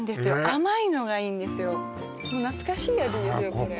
甘いのがいいんですよ懐かしい味ですよね